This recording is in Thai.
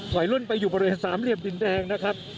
ล่นไปอยู่บริเวณสามเหลี่ยมดินแดงนะครับ